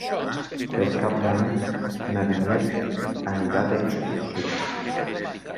Per Cap d'Any na Vinyet anirà d'excursió.